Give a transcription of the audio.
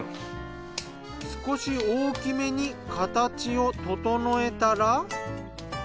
少し大きめに形を整えたら。